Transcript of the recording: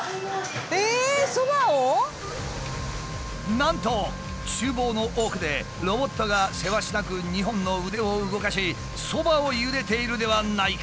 なんと厨房の奥でロボットがせわしなく２本の腕を動かしそばをゆでているではないか！